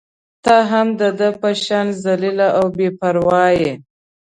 ته هم د ده په شان ذلیله او بې پرواه يې.